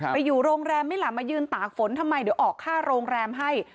ไปอยู่โรงแรมไหมล่ะมายืนตากฝนทำไมเดี๋ยวออกค่าโรงแรมให้